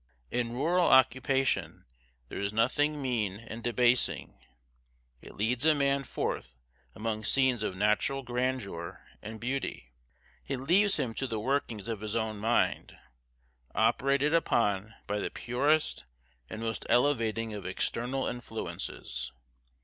In rural occupation, there is nothing mean and debasing. It leads a man forth among scenes of natural grandeur and beauty; it leaves him to the workings of his own mind, operated upon by the purest and most elevating of external influences.